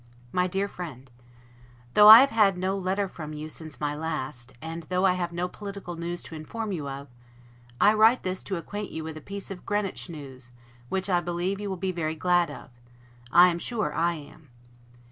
MY DEAR FRIEND: Though I have had no letter from you since my last, and though I have no political news to inform you of, I write this to acquaint you with a piece of Greenwich news, which I believe you will be very glad of; I am sure I am.